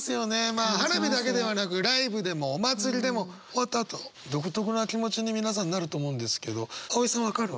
まあ花火だけではなくライブでもお祭りでも終わったあと独特な気持ちに皆さんなると思うんですけど葵さん分かる？